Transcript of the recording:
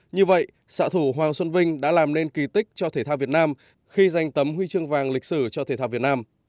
như vậy xạ thủ hoàng xuân vinh đã làm nên kỳ tích cho thể thao việt nam khi danh tấm huy chương vàng lịch sử cho thể thao việt nam